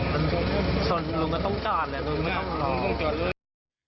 ไม่มีที่เลี้ยวไม่มีที่เลี้ยว